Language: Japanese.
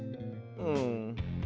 うん。